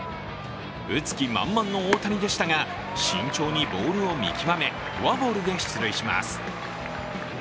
打つ気満々の大谷でしたが慎重にボールを見極めフォアボールで出塁します。